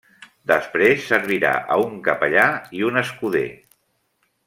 Després servirà a un capellà i un escuder.